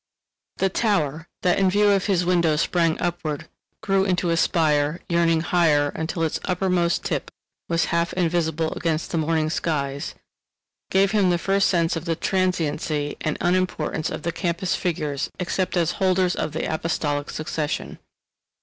The tower that in view of his window sprang upward, grew into a spire, yearning higher until its uppermost tip was half invisible against the morning skies, gave him the first sense of the transiency and unimportance of the campus figures except as holders of the apostolic succession.